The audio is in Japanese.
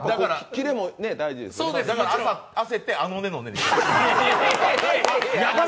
だから焦って、あのねのね。